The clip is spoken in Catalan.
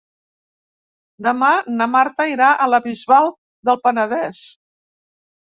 Demà na Marta irà a la Bisbal del Penedès.